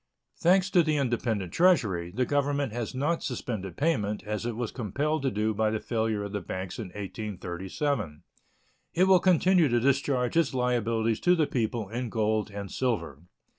Thanks to the independent treasury, the Government has not suspended payment, as it was compelled to do by the failure of the banks in 1837. It will continue to discharge its liabilities to the people in gold and silver.